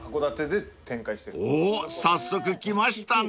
［おお早速来ましたね］